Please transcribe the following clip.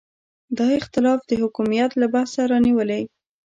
دا اختلاف د حکمیت له بحثه رانیولې.